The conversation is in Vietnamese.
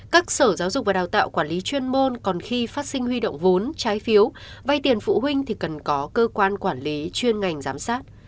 các sở giáo dục và đào tạo quản lý chuyên môn còn khi phát sinh huy động vốn trái phiếu vay tiền phụ huynh thì cần có cơ quan quản lý chuyên ngành giám sát